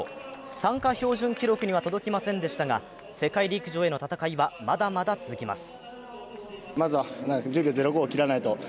参加標準記録には届きませんでしたが、世界陸上への戦いはまだまだ続きます。